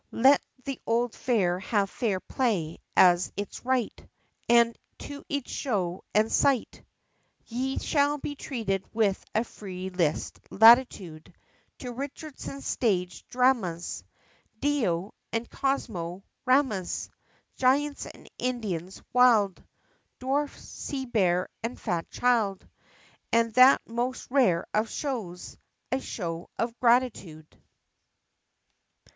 Let the old Fair have fair play, as its right, And to each Show and sight Ye shall be treated with a Free List latitude; To Richardson's Stage Dramas, Dio and Cosmo ramas, Giants and Indians wild, Dwarf, Sea Bear, and Fat Child, And that most rare of Shows a Show of Gratitude!